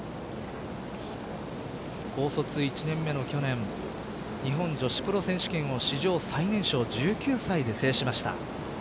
高卒１年目の去年日本女子プロ選手権を史上最年少１９歳で制しました。